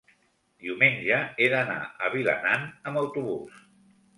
diumenge he d'anar a Vilanant amb autobús.